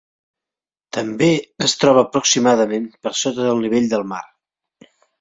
També es troba aproximadament per sota del nivell del mar.